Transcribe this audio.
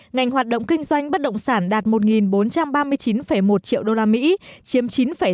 ngành hoạt động kinh doanh bất động sản đạt một bốn trăm ba mươi chín một triệu usd chiếm chín tám